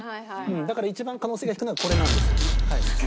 だから一番可能性が低いのはこれなんですよ。